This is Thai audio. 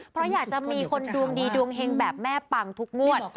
เพราะอยากจะมีคนดวงดีดวงเฮงแบบแม่ปังทุกงวด